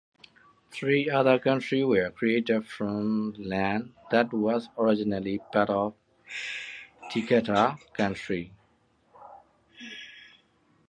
Three other counties were created from land that was originally part of Decatur County.